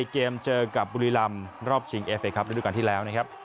เกมเจอกับบุรีรำรอบชิงเอเฟครับระดูการที่แล้วนะครับ